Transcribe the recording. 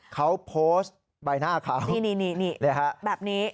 เขาโพสต์ใบหน้าเขาแบบนี้